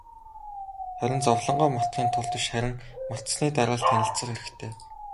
Харин зовлонгоо мартахын тулд биш, харин мартсаны дараа л танилцах хэрэгтэй.